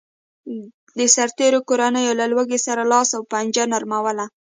د سرتېرو کورنیو له لوږې سره لاس و پنجه نرموله